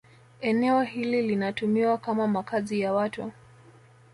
Eneo hili linatumiwa kama makazi ya watu